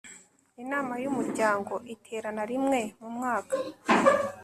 Inama y Umuryango iterana rimwe mu mwaka